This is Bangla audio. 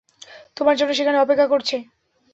তোমার জন্য সেখানে অপেক্ষা করছে!